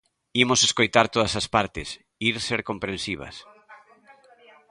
Imos escoitar todas as partes, ir ser comprensivas.